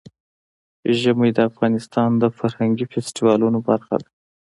ژمی د افغانستان د فرهنګي فستیوالونو برخه ده.